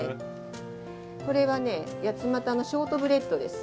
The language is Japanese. これはねやつまたのショートブレッドです。